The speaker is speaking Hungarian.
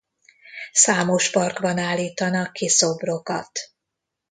Számos parkban állítanak ki szobrokat.